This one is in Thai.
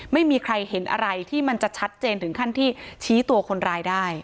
ไม่มีใครเห็นอะไรที่มันจะชัดเจนถึงขั้นที่ชี้ตัวคนร้ายได้